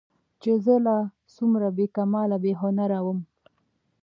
چې زه لا څومره بې کماله بې هنره ومه